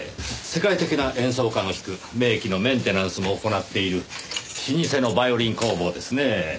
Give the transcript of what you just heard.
世界的な演奏家の弾く名器のメンテナンスも行っている老舗のバイオリン工房ですねぇ。